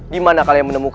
di mana kalian menemukannya